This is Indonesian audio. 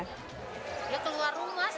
dia keluar rumah sama teman temanku naik motor